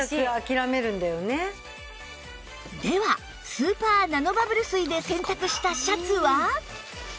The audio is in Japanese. ではスーパーナノバブル水で洗濯したシャツは？